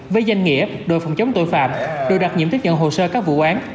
với danh nghĩa đội phòng chống tội phạm đội đặc nhiệm tiếp nhận hồ sơ các vụ án